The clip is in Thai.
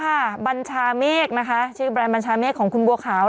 ขาวค่ะบันชาเมฆนะคะชื่อแบรนด์บันชาเมฆของคุณกัวขาว